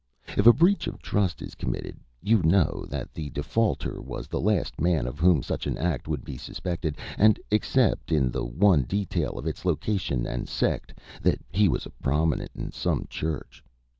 "If a breach of trust is committed, you know that the defaulter was the last man of whom such an act would be suspected, and, except in the one detail of its location and sect, that he was prominent in some church.